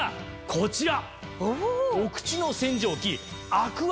こちら。